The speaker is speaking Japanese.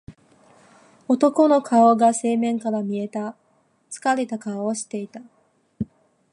男の顔が正面から見えた。疲れた顔をしていた。